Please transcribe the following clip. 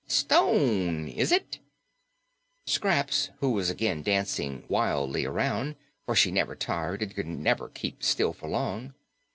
"Stone, is it?" Scraps, who was again dancing wildly around, for she never tired and could never keep still for long.